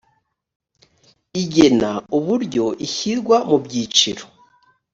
igena uburyo ishyirwa mu byiciro